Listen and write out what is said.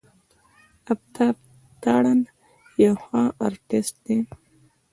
آفتاب تارڼ يو ښه آرټسټ دی.